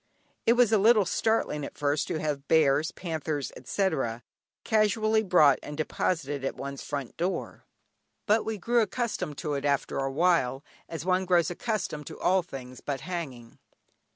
It was a little startling at first to have bears, panthers, etc., casually brought and deposited at one's front door, but we grew accustomed to it after a while, as one grows accustomed to all things but hanging.